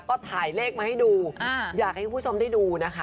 ก็ถ่ายเลขมาให้ดูอยากให้คุณผู้ชมได้ดูนะคะ